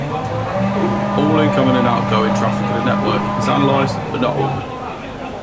All incoming and outgoing traffic of the network is analyzed, but not altered.